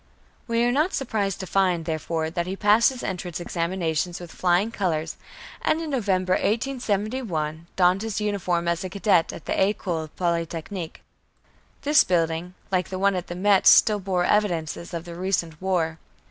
We are not surprised to find, therefore, that he passed his entrance examinations with flying colors, and in November, 1871, donned his uniform as a cadet in the École Polytechnique. This building, like the one at Metz, still bore evidences of the recent war.